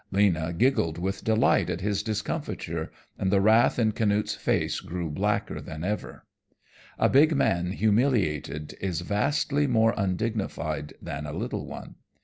Lena giggled with delight at his discomfiture, and the wrath in Canute's face grew blacker than ever. A big man humiliated is vastly more undignified than a little one.